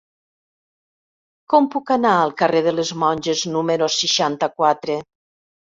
Com puc anar al carrer de les Monges número seixanta-quatre?